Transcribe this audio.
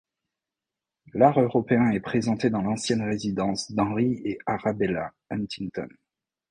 L'art européen est présenté dans l'ancienne résidence d'Henry et Arabella Huntington.